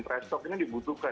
fresh talk ini dibutuhkan